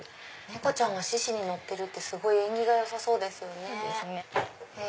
猫が獅子に乗ってるってすごい縁起がよさそうですね。